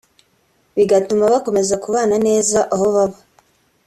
bigatuma bakomeza kubana neza aho baba